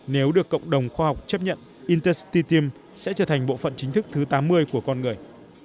nếu được cộng đồng khoa học chấp nhận interstit tiêm sẽ trở thành bộ phận chính thức thứ tám mươi của con người